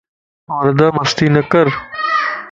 وردا مستي نڪر